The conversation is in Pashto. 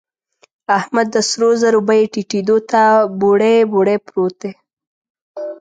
احمد د سرو زرو بيې ټيټېدو ته بوړۍ بوړۍ پروت دی.